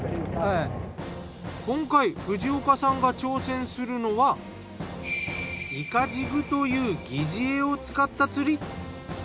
今回藤岡さんが挑戦するのはイカジグという疑似餌を使った釣り。